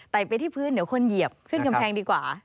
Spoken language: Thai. ไปที่พื้นเดี๋ยวคนเหยียบขึ้นกำแพงดีกว่า